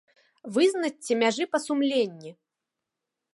Вызначце мяжы па сумленні!